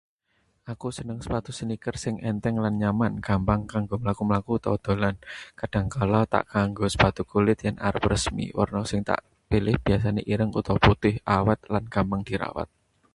Aku seneng sepatu sneaker sing entheng lan nyaman, gampang kanggo mlaku-mlaku utawa dolan. Kadhangkala tak nganggo sepatu kulit yen arep resmi. Werna sing tak pilih biasane ireng utawa putih, awet lan gampang dirawat.